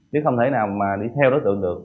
chứ không thể nào mà đi theo đối tượng được